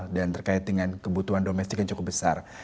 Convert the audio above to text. dan terkait dengan kebutuhan domestik yang cukup besar